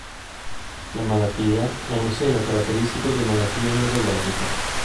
La malattia è un segno caratteristico di malattie neurologiche.